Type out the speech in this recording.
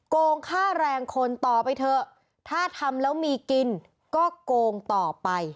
โกงค่าแรงคนต่อไปเถอะถ้าทำแล้วมีกินก็โกงต่อไป